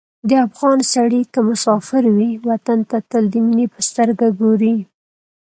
د افغان سړی که مسافر وي، وطن ته تل د مینې په سترګه ګوري.